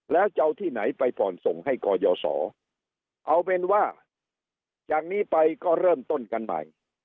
แล้วจะเอาที่ไหนไปผ่อนส่งให้กยศเอาเป็นว่าจากนี้ไปก็เริ่มต้นกันใหม่